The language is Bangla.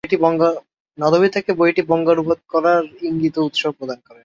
নদভী তাকে বইটি বঙ্গানুবাদ করার ইঙ্গিত ও উৎসাহ প্রদান করেন।